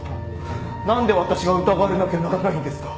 何で私が疑われなきゃならないんですか？